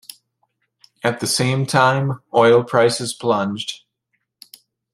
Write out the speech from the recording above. At the same time oil prices plunged.